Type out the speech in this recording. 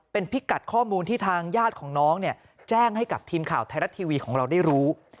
เป็นพิกัดข้อมูลที่ทางญาติของน้องเนี่ยแจ้งให้กับทีมข่าวไทยรัฐทีวีของเราได้รู้